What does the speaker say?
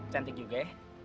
cantik juga ya